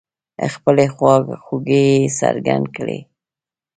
خپلې خواخوږۍ يې څرګندې کړې.